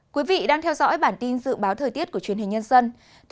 quý vị đang theo dõi bản tin dự báo thời tiết của truyền hình nhân dân